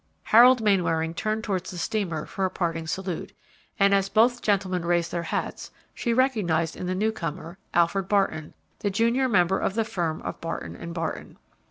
Harold Mainwaring turned towards the steamer for a parting salute, and, as both gentlemen raised their hats, she recognized in the new comer, Alfred Barton, the junior member of the firm of Barton & Barton.